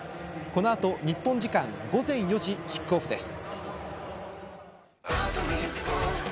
このあと日本時間午前４時キックオフです。